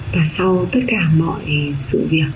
và sau tất cả mọi sự việc